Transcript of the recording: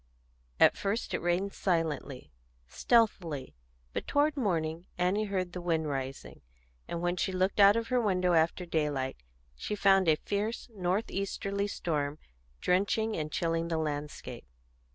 At first it rained silently, stealthily; but toward morning Annie heard the wind rising, and when she looked out of her window after daylight she found a fierce north easterly storm drenching and chilling the landscape.